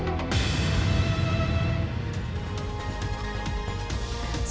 สวัสดีค่ะคุณผู้ชมค่ะเห็นหัวอะไรกันครับ